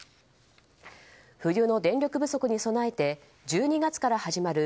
冬の電力不足に備えて１２月から始まる